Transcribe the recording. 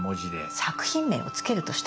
作品名を付けるとしたら？